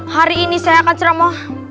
hari ini saya akan ceramah